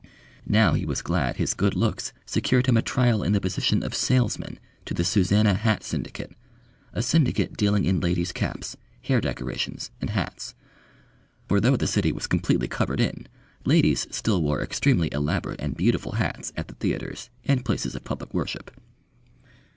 Now he was glad his good looks secured him a trial in the position of salesman to the Suzannah Hat Syndicate, a Syndicate, dealing in ladies' caps, hair decorations, and hats for though the city was completely covered in, ladies still wore extremely elaborate and beautiful hats at the theatres and places of public worship.